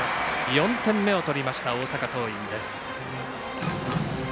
４点目を取りました大阪桐蔭です。